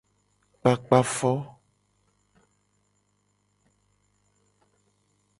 Kpakpa fo.